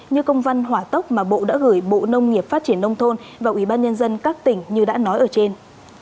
như công văn hỏa tốc mà bộ đã gửi bộ nông nghiệp phát triển nông thôn và ubnd các tỉnh như đã nói ở trên